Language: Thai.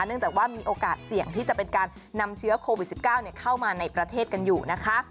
เนื่องจากว่ามีโอกาสเสี่ยงที่จะเป็นการนำเชื้อโควิด๑๙เข้ามาในประเทศกันอยู่นะคะ